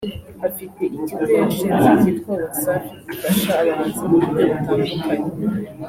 Afite ikigo yashinze kitwa Wasafi gifasha abahanzi mu buryo butandukanye